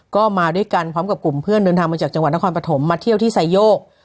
ก็มาด้วยกันพร้อมกับกลุ่มเพื่อนเดินทางมาจากจังหวัดนครปฐมมาเที่ยวที่ไซโยก